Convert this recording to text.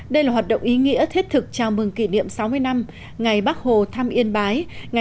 đây là hoạt động ý nghĩa thiết thực chào mừng kỷ niệm sáu mươi năm ngày bác hồ thăm yên bái ngày hai mươi năm chín một nghìn chín trăm năm mươi tám